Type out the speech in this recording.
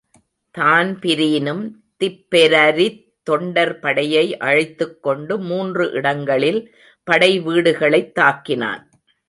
தான்பிரீனும் திப்பெரரித் தொண்டர்படையை அழைத்துக்கொண்டு மூன்று இடங்களில் படைவீடுகளைத்தாக்கினான்.